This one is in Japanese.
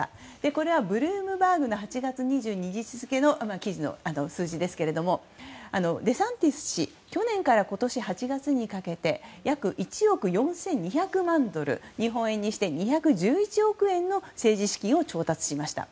これはブルームバーグの８月２２日付の数字ですがデサンティス氏去年から今年８月にかけて約１億４２００万ドル日本円にして２１１億円の政治資金を調達しました。